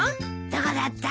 どこだった？